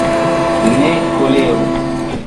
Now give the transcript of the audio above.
ne koleru.